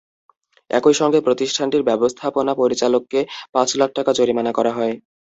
একই সঙ্গে প্রতিষ্ঠানটির ব্যবস্থাপনা পরিচালককে পাঁচ লাখ টাকা জরিমানা করা হয়।